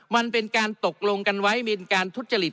มันเป็นการตกลงกันไว้มีการทุจริต